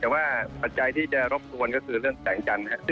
แต่ว่าปัจจัยที่จะรบกวนก็คือเรื่องแสงจันทร์นะครับ